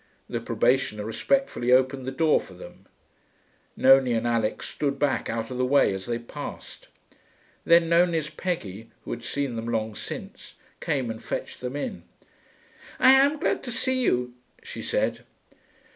The probationer respectfully opened the door for them. Nonie and Alix stood back out of the way as they passed, then Nonie's Peggy, who had seen them long since, came and fetched them in. 'I am glad to see you,' she said.